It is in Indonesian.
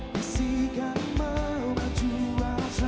bisikan memaju asa